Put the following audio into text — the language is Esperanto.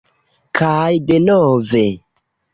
Kaj denove.